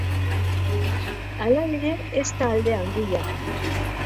Hala ere, ez da alde handia.